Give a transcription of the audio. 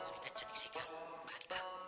wanita cantik sekal